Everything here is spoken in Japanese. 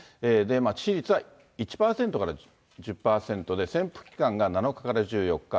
致死率は１％から１０％で、潜伏期間が７日から１４日。